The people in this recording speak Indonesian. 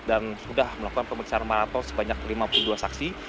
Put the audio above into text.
dan sudah melakukan pemeriksaan maraton sebanyak lima puluh dua saksi